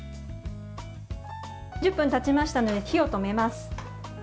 １０分たちましたので火を止めます。